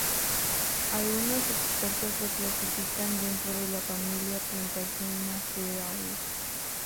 Algunos expertos lo clasifican dentro de la familia Plantaginaceae.